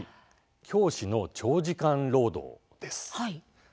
教師の長時間労働です。